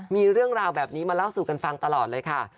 มีเรื่องราวแบบนี้มาเล่าสู่กันฟังตลอดเลยค่ะ